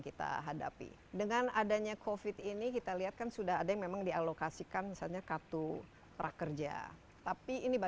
kita hadapi dengan adanya covid ini kita lihat kan sudah ada yang memang dialokasikan misalnya kartu prakerja tapi ini